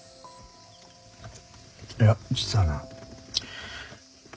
いや実はな。